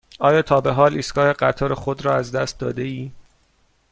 آیا تا به حال ایستگاه قطار خود را از دست داده ای؟